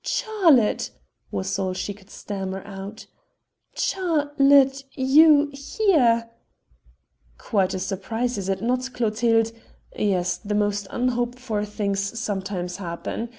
"Charlotte!" was all she could stammer out, "Char lotte ... you ... here!" "Quite a surprise, is it not, Clotilde? Yes, the most unhoped for things sometimes happen.